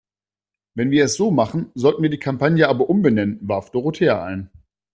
Wenn wir es so machen, sollten wir die Kampagne aber umbenennen, warf Dorothea ein.